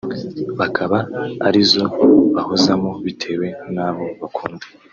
bakaba ari zo bahozamo bitewe n’abo bakunda